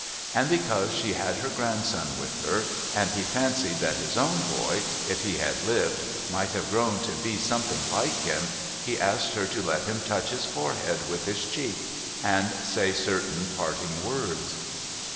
And because she had her grandson with her, and he fancied that his own boy, if he had lived, might have grown to be sonrething like him, he asked her to let him touch his forehead witlr his cheek and say certain parting words.'